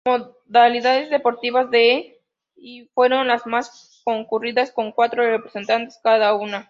Las modalidades deportivas de y fueron las más concurridas con cuatro representantes cada una.